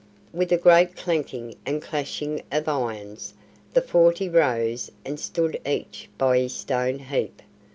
With a great clanking and clashing of irons, the forty rose and stood each by his stone heap.